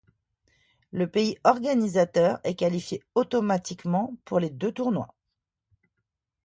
Le pays organisateur est qualifié automatiquement pour les deux tournois.